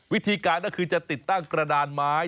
วิธีการก็คือจะติดตั้งกระดานไม้